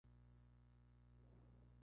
La escuela fue fundada por Walt Disney.